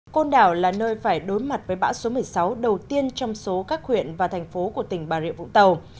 côn đảo là nơi phải đối mặt với bão số một mươi sáu đầu tiên trong số các huyện và thành phố của tỉnh bà rịa vũng tàu